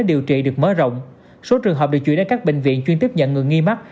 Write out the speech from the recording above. điều trị được mở rộng số trường hợp được chuyển đến các bệnh viện chuyên tiếp nhận người nghi mắc